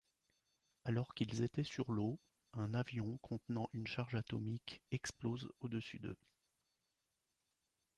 Alors qu’ils étaient sur l’eau, un avion contenant une charge atomique explose au-dessus d’eux.